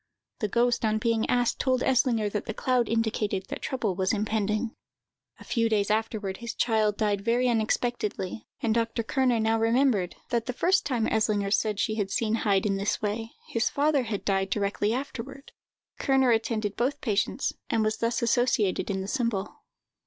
The ghost, on being asked, told Eslinger that the cloud indicated that trouble was impending. A few days afterward his child died very unexpectedly, and Dr. Kerner now remembered, that the first time Eslinger said she had seen Heyd in this way, his father had died directly afterward. Kerner attended both patients, and was thus associated in the symbol.